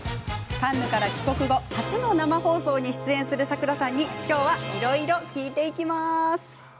カンヌから帰国後、初の生放送に出演するサクラさんにいろいろ聞いちゃいます。